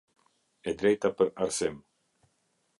E drejta për arsim.